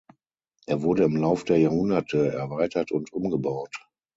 Er wurde im Lauf der Jahrhunderte erweitert und umgebaut.